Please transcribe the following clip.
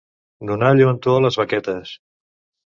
Donar lluentor a les baquetes.